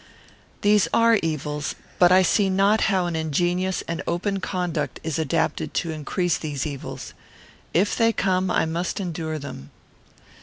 "These are evils, but I see not how an ingenious and open conduct is adapted to increase these evils. If they come, I must endure them."